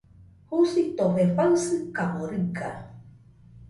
Jusitofe faɨsɨkamo riga.